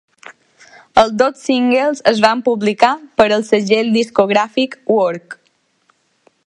Els dos singles es van publicar per al segell discogràfic Work.